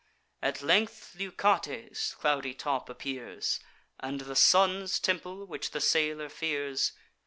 At length Leucate's cloudy top appears, And the Sun's temple, which the sailor fears.